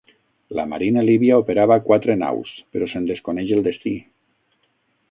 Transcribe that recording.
La marina líbia operava quatre naus, però se'n desconeix el destí.